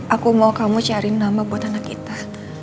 aku mau kamu cariin nama buat anak kita